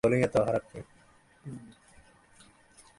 উহ, আমার ওদের চাবি দরকার, ম্যান।